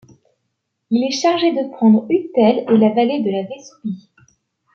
Il est chargé de prendre Utelle et la vallée de la Vésubie.